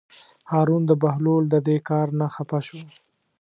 هارون د بهلول د دې کار نه خپه شو.